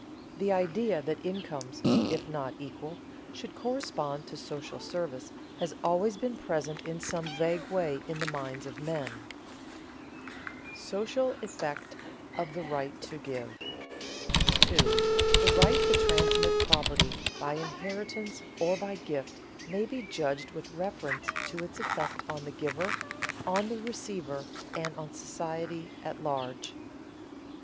The idea that incomes, if not equal, should correspond to social service has always been present in some vague way in the minds of men. [Sidenote: Social effect of the right to give] 2. _The right to transmit property by inheritance or by gift may be judged with reference to its effect on the giver, on the receiver, and on society at large.